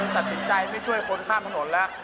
ตัดสินใจไม่ช่วยคนข้ามถนนแล้ว